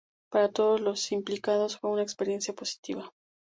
Para todos los implicados fue una experiencia positiva.